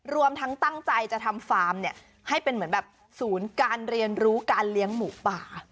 รวมทั้งตั้งใจจะทำฟาร์มเนี่ยให้เป็นเหมือนแบบศูนย์การเรียนรู้การเลี้ยงหมูป่า